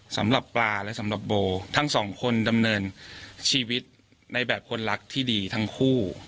สำหรับปลาและสำหรับโบทั้งสองคนดำเนินชีวิตในแบบคนรักที่ดีทั้งคู่